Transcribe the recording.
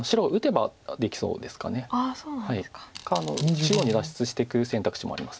中央に脱出していく選択肢もあります。